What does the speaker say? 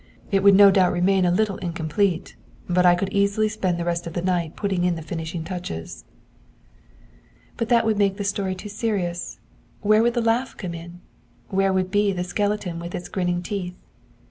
'It would no doubt remain a little incomplete, but I could easily spend the rest of the night putting in the finishing touches.' 'But that would make the story too serious. Where would the laugh come in? Where would be the skeleton with its grinning teeth?